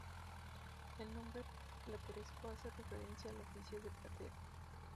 El nombre plateresco hace referencia al oficio de platero.